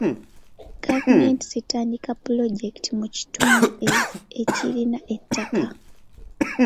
Gavumenti zitandika pulojekiti mu kitundu ekirina ettaka.